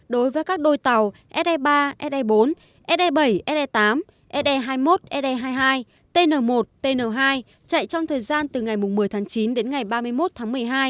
đối với các đôi tàu se ba se bốn se bảy se tám se hai mươi một se hai mươi hai tn một tn hai chạy trong thời gian từ ngày một mươi tháng chín đến ngày ba mươi một tháng một mươi hai